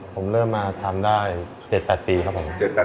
ผมเริ่มมาทำได้๗๘ปีครับผม